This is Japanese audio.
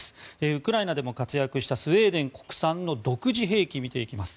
ウクライナでも活躍したスウェーデン国産の独自兵器を見ていきます。